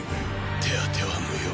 手当ては無用。